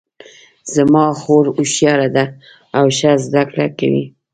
زما خور هوښیاره ده او ښه زده کړه کوي